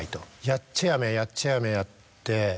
やっちゃ辞めやっちゃ辞めやって。